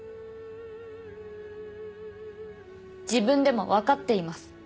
自分でもわかっています。